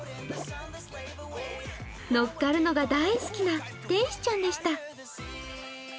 乗っかるのが大好きな天使ちゃんでした。